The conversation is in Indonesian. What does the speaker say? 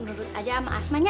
menurut aja sama asmanya